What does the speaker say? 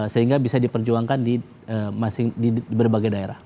sehingga bisa diperjuangkan di berbagai daerah